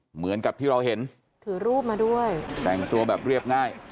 เหมือนกับที่เราเห็นถือรูปมาด้วยแต่งตัวแบบเรียบง่าย